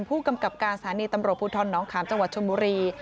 ผู้กำกับการสถานีตำรวจภูทรน้องขามจังหวัดชนบุรี